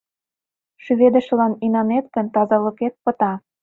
Шӱведышылан инанет гын, тазалыкет пыта.